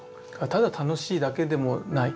ただ楽しいだけでもない。